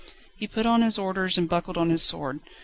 He put on his orders and buckled on his sword.